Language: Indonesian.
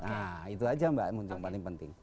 nah itu aja mbak yang paling penting